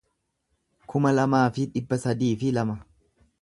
kuma lamaa fi dhibba sadii fi lama